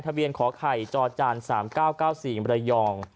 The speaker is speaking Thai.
ทะเบียนขอไข่จอดจาน๓๙๙๔อิมระยอง